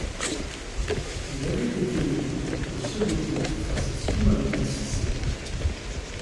Il avait été élu au second tour face à Soumaïla Cissé.